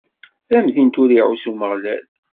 Tamdint ur iɛuss Umeɣlal.